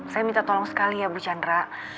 saya minta tolong sekali ya bu chandra